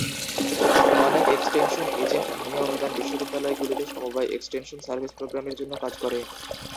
অনেক extension agent ভূমি-অনুদান বিশ্ববিদ্যালয়গুলিতে সমবায় এক্সটেনশন সার্ভিস প্রোগ্রামের জন্য কাজ করে।